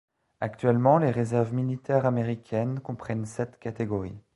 Actuellement, les réserves militaires américaines comprennent sept catégories.